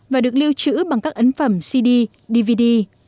và được lưu trữ bằng các ấn phẩm cd dvd